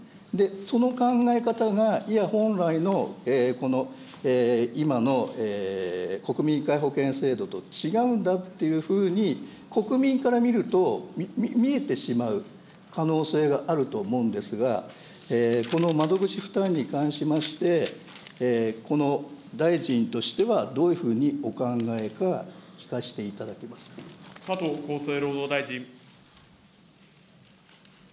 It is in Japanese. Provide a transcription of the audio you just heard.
その考え方が、いや、本来の今の国民皆保険制度と違うんだっていうふうに、国民から見ると、見えてしまう可能性があると思うんですが、この窓口負担に関しまして、この大臣としてはどういうふうにお考えか、加藤厚生労働大臣。